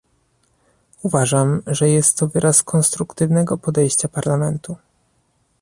Uważam, że jest to wyraz konstruktywnego podejścia Parlamentu